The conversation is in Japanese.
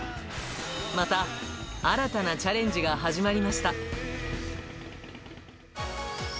また、新たなチャレンジが始まりました。